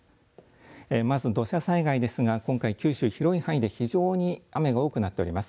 まず土砂災害ですが今回九州広い範囲で非常に雨が多くなっております。